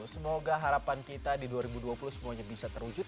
semoga harapan kita di dua ribu dua puluh semuanya bisa terwujud